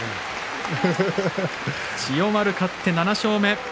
千代丸、勝って７勝目。